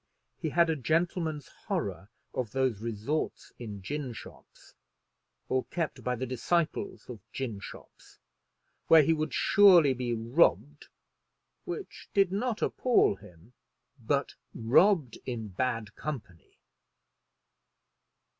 He had a gentleman's horror of those resorts in gin shops, or kept by the disciples of gin shops, where he would surely be robbed, which did not appal him, but robbed in bad company.